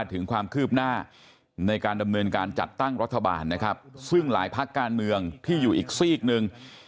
ต้องตั้งรัฐบาลนะครับซึ่งหลายภาคการเมืองที่อยู่อีกซีกนึง